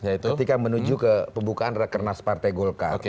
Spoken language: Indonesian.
ketika menuju ke pembukaan rekernas partai golkar